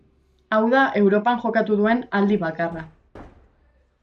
Hau da Europan jokatu duen aldi bakarra.